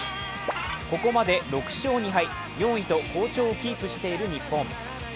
ここまで６勝２敗、４位と好調をキープしている日本。